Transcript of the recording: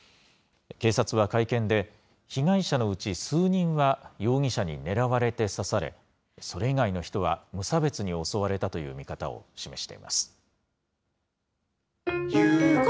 警察は会見で、被害者のうち数人は、容疑者に狙われて刺され、それ以外の人は無差別に襲われたという見方を示しています。